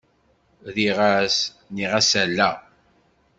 Rriɣ-as, nniɣ-as ala.